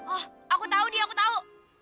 oh aku tau dia aku tau